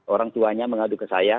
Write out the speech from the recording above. orang tuanya mengadu ke saya